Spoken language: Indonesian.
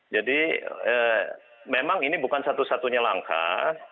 jadi memang ini bukan satu satunya langkah